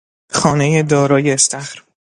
خانهی دارای استخر